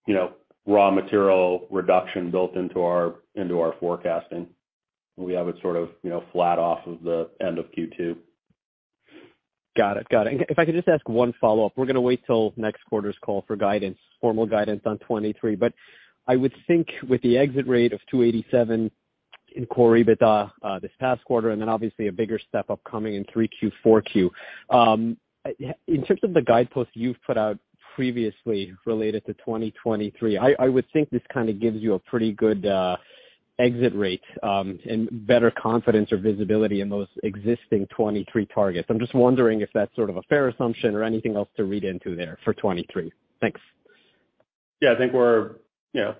you know, raw material reduction built into our forecasting. We have it sort of, you know, flat off of the end of Q2. Got it. If I could just ask one follow-up. We're gonna wait till next quarter's call for guidance, formal guidance on 2023. I would think with the exit rate of $287 in Q2, this past quarter and then obviously a bigger step upcoming in Q3, Q4. In terms of the guideposts you've put out previously related to 2023, I would think this kind of gives you a pretty good exit rate, and better confidence or visibility in those existing 2023 targets. I'm just wondering if that's sort of a fair assumption or anything else to read into there for 2023. Thanks. Yeah. I think we're, you know,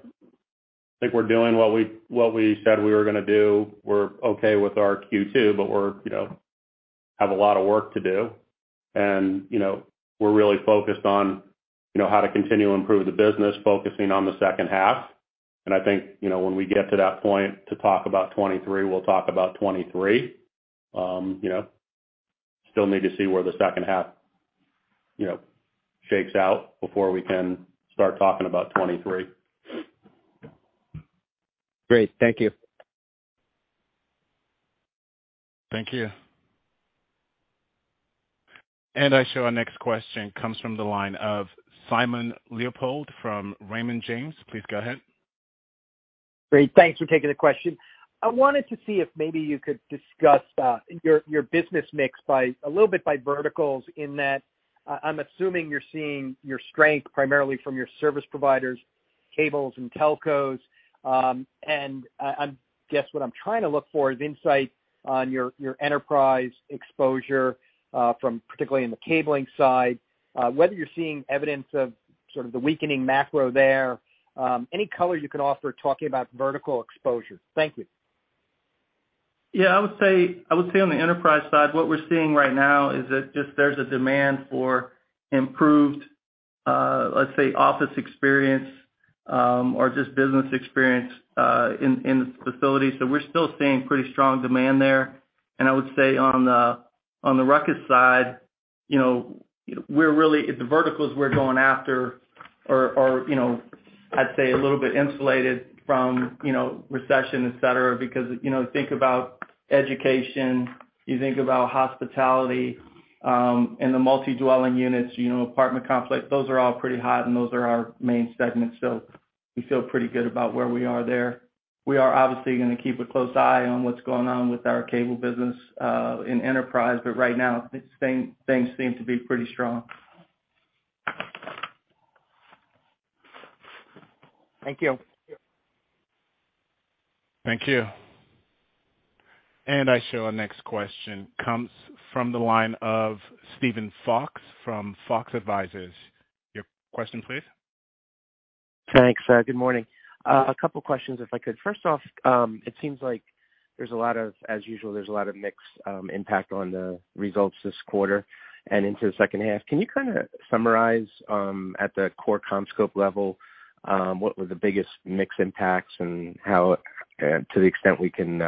doing what we said we were gonna do. We're okay with our Q2, but we, you know, have a lot of work to do. You know, we're really focused on, you know, how to continue to improve the business, focusing on the H2. I think, you know, when we get to that point to talk about 2023, we'll talk about 2023. You know, still need to see where the H2, you know, shakes out before we can start talking about 2023. Great. Thank you. Thank you. I show our next question comes from the line of Simon Leopold from Raymond James. Please go ahead. Great. Thanks for taking the question. I wanted to see if maybe you could discuss your business mix by a little bit by verticals in that I'm assuming you're seeing your strength primarily from your service providers, cables and telcos. I guess what I'm trying to look for is insight on your enterprise exposure from particularly in the cabling side, whether you're seeing evidence of sort of the weakening macro there, any color you could offer talking about vertical exposure. Thank you. Yeah, I would say on the enterprise side, what we're seeing right now is that just there's a demand for improved, let's say, office experience, or just business experience, in the facility. We're still seeing pretty strong demand there. I would say on the RUCKUS side, you know, we're really the verticals we're going after are, you know, I'd say a little bit insulated from, you know, recession, et cetera, because, you know, think about education, you think about hospitality, and the multi-dwelling units, you know, apartment complex, those are all pretty hot, and those are our main segments. We feel pretty good about where we are there. We are obviously gonna keep a close eye on what's going on with our cable business, in enterprise, but right now, things seem to be pretty strong. Thank you. Thank you. I show our next question comes from the line of Steven Fox from Fox Advisors. Your question, please. Thanks. Good morning. A couple of questions, if I could. First off, it seems like there's a lot of, as usual, there's a lot of mix impact on the results this quarter and into the H2. Can you kinda summarize at the core CommScope level what were the biggest mix impacts and how to the extent we can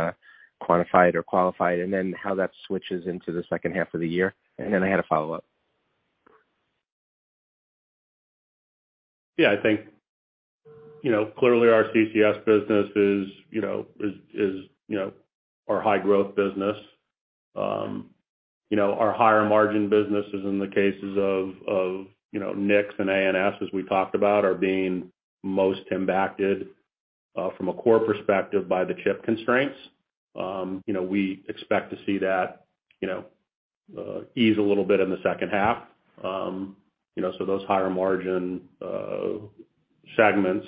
quantify it or qualify it, and then how that switches into the H2 of the year? I had a follow-up. Yeah, I think, you know, clearly our CCS business is, you know, our high-growth business. You know, our higher margin businesses in the cases of, you know, NICS and ANS, as we talked about, are being most impacted from a core perspective by the chip constraints. You know, we expect to see that, you know, ease a little bit in the H2. You know, those higher margin segments,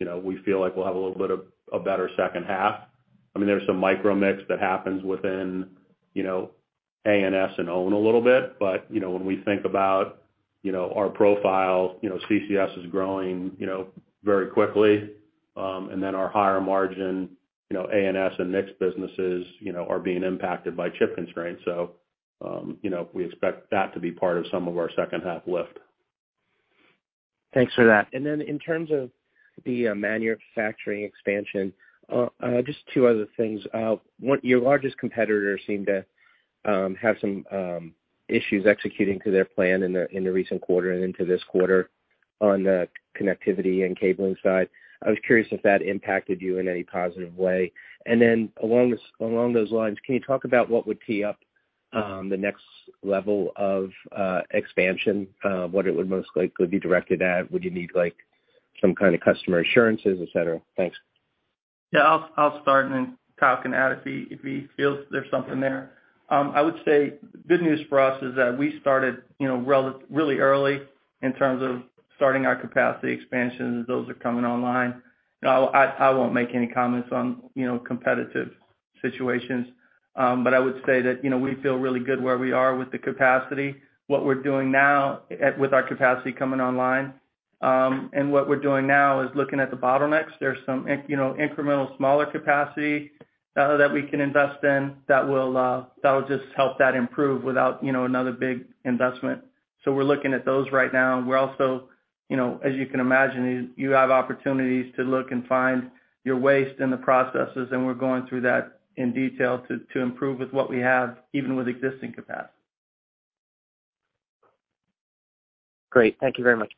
you know, we feel like we'll have a little bit of a better H2. I mean, there's some micro mix that happens within, you know, ANS and OWN a little bit. You know, when we think about, you know, our profile, you know, CCS is growing, you know, very quickly. Our higher margin, you know, ANS and NICS businesses, you know, are being impacted by chip constraints. You know, we expect that to be part of some of our H2 lift. Thanks for that. In terms of the manufacturing expansion, just two other things. One, your largest competitors seem to have some issues executing to their plan in the recent quarter and into this quarter on the connectivity and cabling side. I was curious if that impacted you in any positive way. Along those lines, can you talk about what would tee up the next level of expansion, what it would most likely be directed at? Would you need like some kind of customer assurances, et cetera? Thanks. I'll start and then Kyle can add if he feels there's something there. I would say the good news for us is that we started, you know, really early in terms of starting our capacity expansion, and those are coming online. I won't make any comments on, you know, competitive situations. I would say that, you know, we feel really good where we are with the capacity. What we're doing now with our capacity coming online, and what we're doing now is looking at the bottlenecks. There's some, you know, incremental smaller capacity that we can invest in that will just help that improve without, you know, another big investment. We're looking at those right now. We're also You know, as you can imagine, you have opportunities to look and find your waste in the processes, and we're going through that in detail to improve with what we have, even with existing capacity. Great. Thank you very much.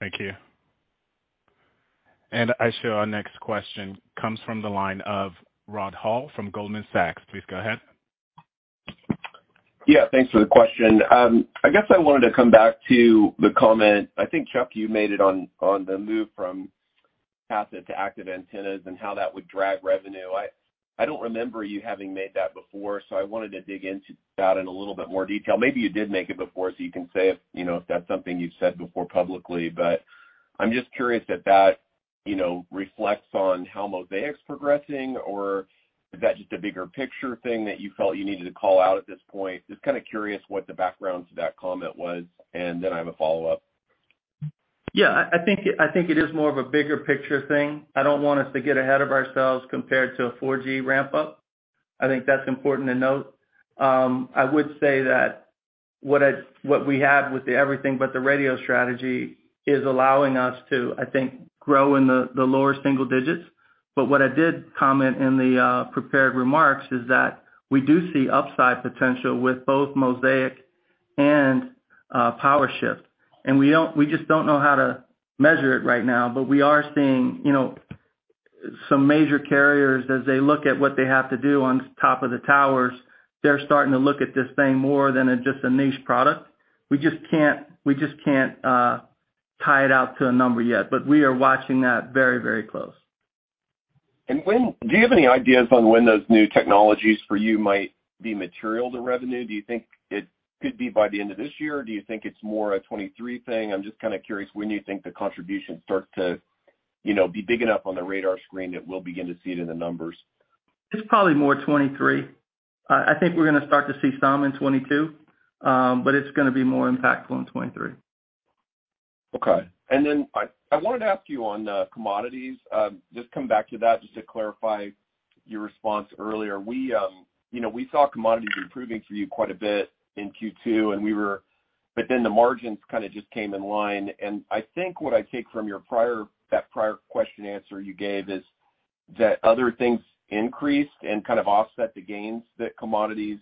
Thank you. I show our next question comes from the line of Rod Hall from Goldman Sachs. Please go ahead. Yeah, thanks for the question. I guess I wanted to come back to the comment, I think, Chuck, you made it on the move from passive to active antennas and how that would drive revenue. I don't remember you having made that before, so I wanted to dig into that in a little bit more detail. Maybe you did make it before, so you can say if, you know, if that's something you've said before publicly. I'm just curious if that, you know, reflects on how Mosaic's progressing, or is that just a bigger picture thing that you felt you needed to call out at this point? Just kinda curious what the background to that comment was, and then I have a follow-up. Yeah. I think it is more of a bigger picture thing. I don't want us to get ahead of ourselves compared to a 4G ramp-up. I think that's important to note. I would say that what we have with the everything but the radio strategy is allowing us to, I think, grow in the lower single digits. But what I did comment in the prepared remarks is that we do see upside potential with both Mosaic and PowerShift. We just don't know how to measure it right now, but we are seeing, you know, some major carriers as they look at what they have to do on top of the towers, they're starting to look at this thing more than just a niche product. We just can't tie it out to a number yet, but we are watching that very, very close. Do you have any ideas on when those new technologies for you might be material to revenue? Do you think it could be by the end of this year, or do you think it's more a 2023 thing? I'm just kinda curious when you think the contribution start to, you know, be big enough on the radar screen that we'll begin to see it in the numbers. It's probably more 2023. I think we're gonna start to see some in 2022, but it's gonna be more impactful in 2023. Okay. I wanted to ask you on commodities, just come back to that to clarify your response earlier. You know, we saw commodities improving for you quite a bit in Q2. The margins kinda just came in line. I think what I take from your prior, that prior question answer you gave is that other things increased and kind of offset the gains that commodities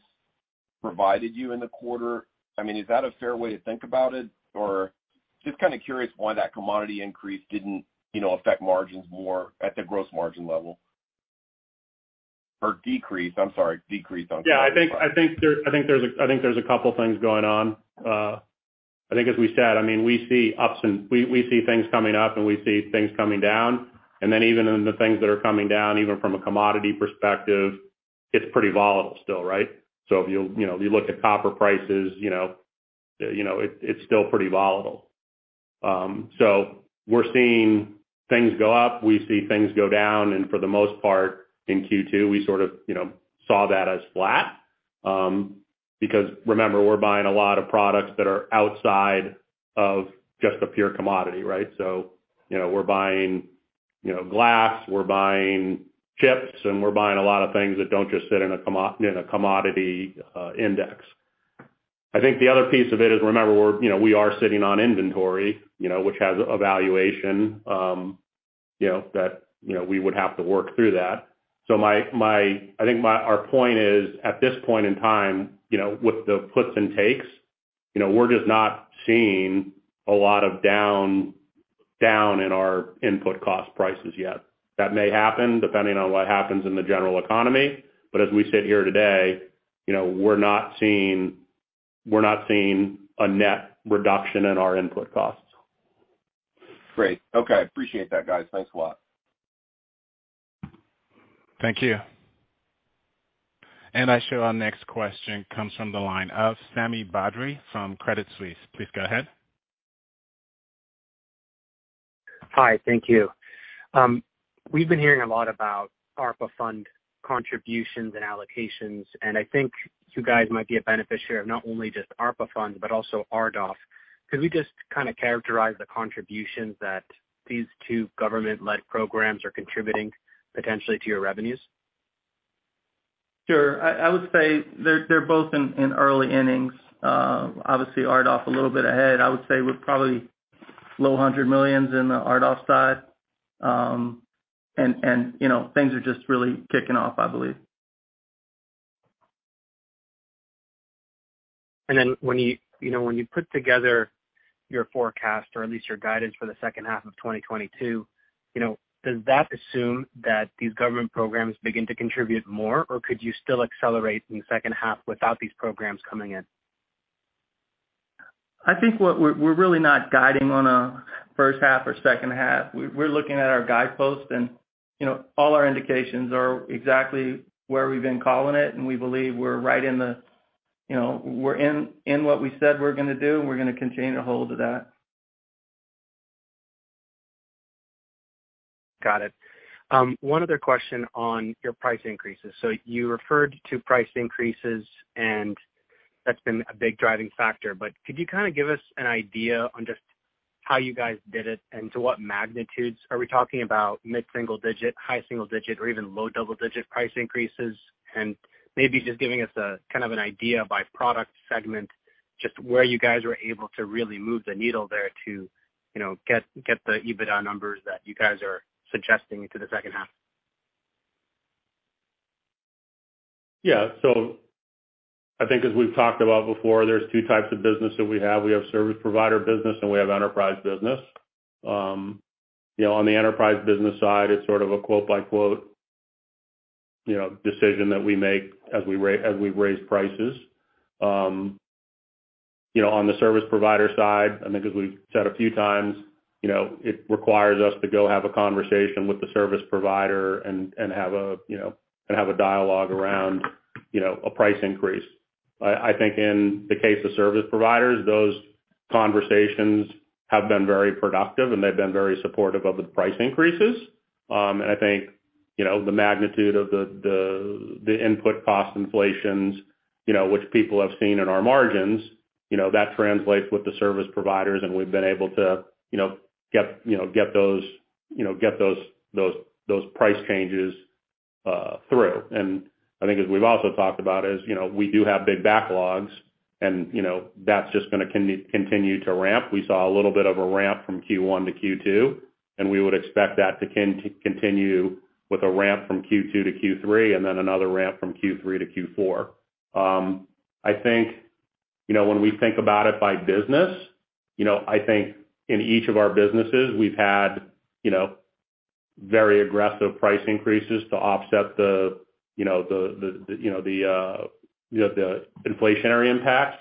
provided you in the quarter. I mean, is that a fair way to think about it? Just kinda curious why that commodity increase didn't, you know, affect margins more at the gross margin level. Decrease, I'm sorry, on- Yeah. I think there's a couple things going on. I think as we said, I mean, we see things coming up, and we see things coming down. Even in the things that are coming down, even from a commodity perspective, it's pretty volatile still, right? If you know, if you look at copper prices, you know, it's still pretty volatile. We're seeing things go up. We see things go down. For the most part, in Q2, we sort of, you know, saw that as flat. Because remember, we're buying a lot of products that are outside of just a pure commodity, right? You know, we're buying, you know, glass, we're buying chips, and we're buying a lot of things that don't just sit in a commodity index. I think the other piece of it is, remember, you know, we are sitting on inventory, you know, which has a valuation, you know, that, you know, we would have to work through that. Our point is at this point in time, you know, with the puts and takes, you know, we're just not seeing a lot of down in our input cost prices yet. That may happen depending on what happens in the general economy. As we sit here today, you know, we're not seeing a net reduction in our input costs. Great. Okay. Appreciate that, guys. Thanks a lot. Thank you. I show our next question comes from the line of Sami Badri from Credit Suisse. Please go ahead. Hi, thank you. We've been hearing a lot about ARPA fund contributions and allocations, and I think you guys might be a beneficiary of not only just ARPA funds, but also RDOF. Could we just kinda characterize the contributions that these two government-led programs are contributing potentially to your revenues? Sure. I would say they're both in early innings. Obviously RDOF a little bit ahead. I would say we're probably low hundreds of millions in the RDOF side. You know, things are just really kicking off, I believe. when you know, when you put together your forecast or at least your guidance for the H2 of 2022, you know, does that assume that these government programs begin to contribute more, or could you still accelerate in the H2 without these programs coming in? I think what we're really not guiding on a H1 or H2. We're looking at our guidepost and, you know, all our indications are exactly where we've been calling it, and we believe we're right in the, you know, we're in what we said we're gonna do, and we're gonna continue to hold to that. Got it. One other question on your price increases. You referred to price increases, and that's been a big driving factor. Could you kinda give us an idea on just how you guys did it, and to what magnitudes? Are we talking about mid-single digit, high single digit, or even low double-digit price increases? Maybe just giving us a kind of an idea by product segment, just where you guys were able to really move the needle there to, you know, get the EBITDA numbers that you guys are suggesting to the H2. Yeah. I think as we've talked about before, there's two types of business that we have. We have service provider business, and we have enterprise business. You know, on the enterprise business side, it's sort of a quote-unquote, you know, decision that we make as we raise prices. You know, on the service provider side, I think as we've said a few times, you know, it requires us to go have a conversation with the service provider and have a dialogue around, you know, a price increase. I think in the case of service providers, those conversations have been very productive, and they've been very supportive of the price increases. I think, you know, the magnitude of the input cost inflations, you know, which people have seen in our margins, you know, that translates with the service providers and we've been able to, you know, get those price changes through. I think as we've also talked about is, you know, we do have big backlogs and, you know, that's just gonna continue to ramp. We saw a little bit of a ramp from Q1 to Q2, and we would expect that to continue with a ramp from Q2 to Q3, and then another ramp from Q3 to Q4. I think, you know, when we think about it by business, you know, I think in each of our businesses we've had, you know, very aggressive price increases to offset the, you know, the inflationary impacts.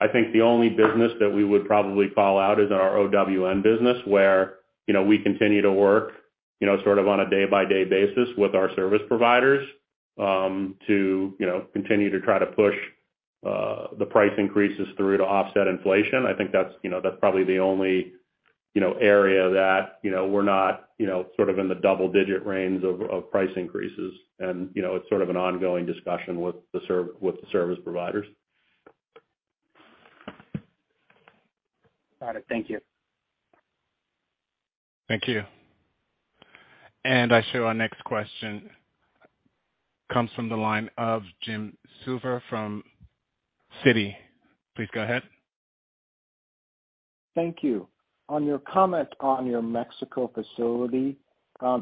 I think the only business that we would probably call out is our OWN business, where, you know, we continue to work, you know, sort of on a day-by-day basis with our service providers, to, you know, continue to try to push the price increases through to offset inflation. I think that's, you know, probably the only, you know, area that, you know, we're not, you know, sort of in the double digit range of price increases. You know, it's sort of an ongoing discussion with the service providers. Got it. Thank you. Thank you. I show our next question comes from the line of Jim Suva from Citi. Please go ahead. Thank you. On your comment on your Mexico facility,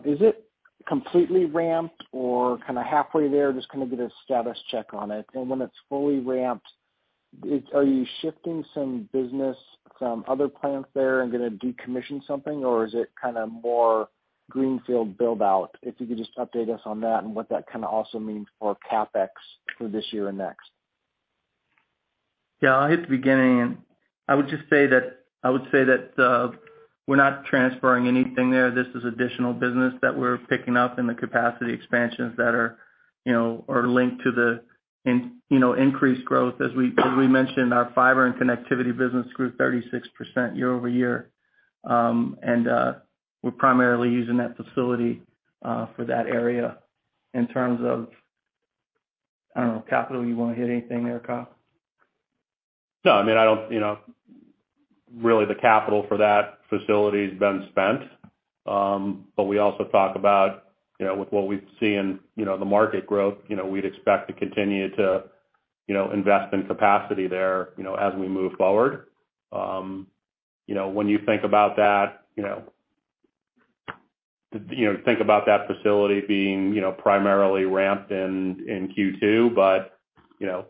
is it completely ramped or kinda halfway there? Just can we get a status check on it? When it's fully ramped, are you shifting some business from other plants there and gonna decommission something, or is it kinda more greenfield build-out? If you could just update us on that and what that kinda also means for CapEx for this year and next. Yeah, I'll hit the beginning and I would just say that we're not transferring anything there. This is additional business that we're picking up and the capacity expansions that are, you know, linked to the increased growth. As we mentioned, our fiber and connectivity business grew 36% year-over-year. We're primarily using that facility for that area. In terms of capital, I don't know, you wanna hit anything there, Kyle? No, I mean, you know, really the capital for that facility has been spent. We also talk about, you know, with what we see in the market growth, you know, we'd expect to continue to invest in capacity there, you know, as we move forward. You know, when you think about that facility being primarily ramped in Q2. You know,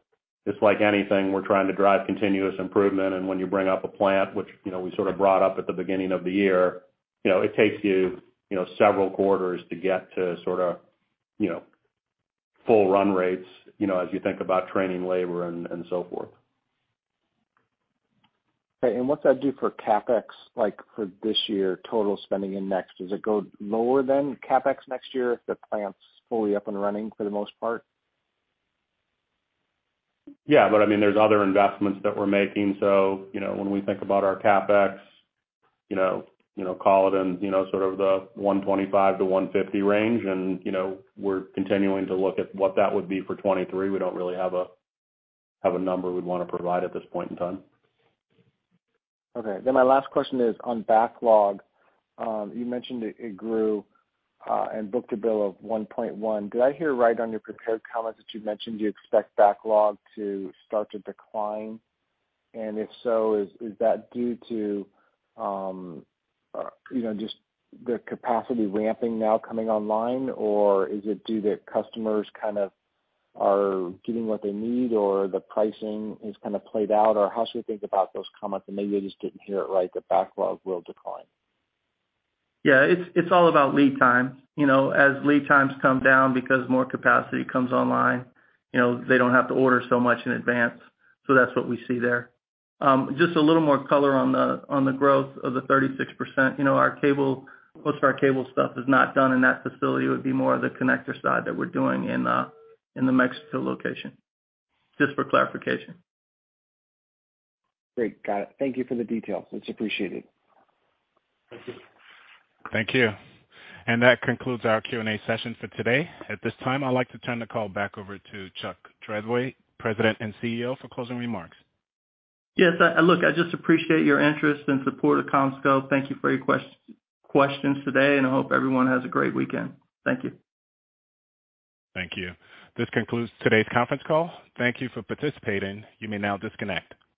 just like anything, we're trying to drive continuous improvement. When you bring up a plant, which we sort of brought up at the beginning of the year, you know, it takes you several quarters to get to sorta full run rates, you know, as you think about training labor and so forth. Okay, what's that do for CapEx, like, for this year, total spending and next? Does it go lower than CapEx next year if the plant's fully up and running for the most part? Yeah, I mean, there's other investments that we're making. You know, when we think about our CapEx, you know, call it in, you know, sort of the $125-$150 range. You know, we're continuing to look at what that would be for 2023. We don't really have a number we'd wanna provide at this point in time. Okay. My last question is on backlog. You mentioned it grew, and book to bill of 1.1. Did I hear right on your prepared comments that you mentioned you expect backlog to start to decline? If so, is that due to, you know, just the capacity ramping now coming online, or is it due to customers kind of are getting what they need, or the pricing is kind of played out, or how should we think about those comments? Maybe I just didn't hear it right, that backlog will decline. Yeah, it's all about lead time. You know, as lead times come down because more capacity comes online, you know, they don't have to order so much in advance. That's what we see there. Just a little more color on the growth of the 36%. You know, our cable, most of our cable stuff is not done in that facility. It would be more of the connector side that we're doing in the Mexico location. Just for clarification. Great. Got it. Thank you for the details. It's appreciated. Thank you. Thank you. That concludes our Q&A session for today. At this time, I'd like to turn the call back over to Chuck Treadway, President and CEO, for closing remarks. Yes, look, I just appreciate your interest and support of CommScope. Thank you for your questions today, and I hope everyone has a great weekend. Thank you. Thank you. This concludes today's conference call. Thank you for participating. You may now disconnect.